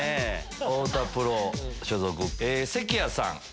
太田プロ所属関谷さん。